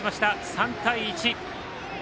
３対１。